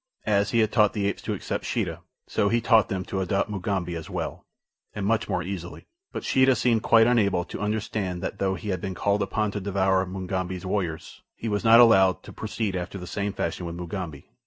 As he had taught the apes to accept Sheeta, so he taught them to adopt Mugambi as well, and much more easily; but Sheeta seemed quite unable to understand that though he had been called upon to devour Mugambi's warriors he was not to be allowed to proceed after the same fashion with Mugambi.